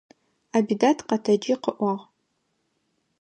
Абидат къэтэджи къыӏуагъ.